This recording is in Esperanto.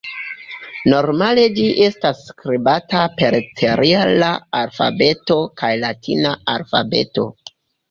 Normale ĝi estas skribata per cirila alfabeto kaj latina alfabeto.